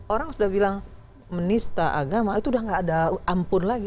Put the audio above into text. orang sudah bilang menista agama itu udah gak ada ampun lagi